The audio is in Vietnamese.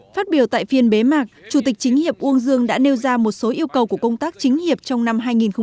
phát biểu tại phiên bế mạc chủ tịch chính hiệp uông dương đã nêu ra một số yêu cầu của công tác chính hiệp trong năm hai nghìn hai mươi